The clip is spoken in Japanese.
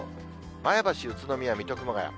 前橋、宇都宮、水戸、熊谷。